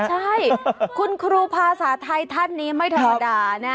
ใช่คุณครูภาษาไทยท่านนี้ไม่ธรรมดานะ